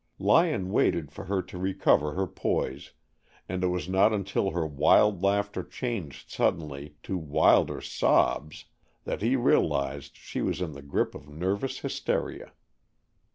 Lyon waited for her to recover her poise, and it was not until her wild laughter changed suddenly to wilder sobs that he realized she was in the grip of nervous hysteria.